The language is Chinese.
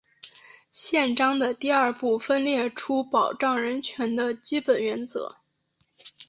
宪章的第二部分列出保障人权的基本原则。